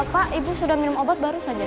pak ibu sudah minum obat baru saja